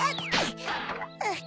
あっ。